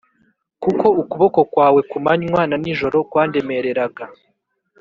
Kuko ukuboko kwawe ku manywa na n'ijoro kwandemereraga,